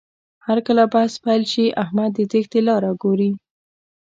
هرکله بحث پیل شي، احمد د تېښتې لاره ګوري.